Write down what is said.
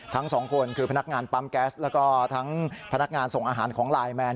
ทั้งสองคนคือพนักงานปั๊มแก๊สแล้วก็ทั้งพนักงานส่งอาหารของไลน์แมน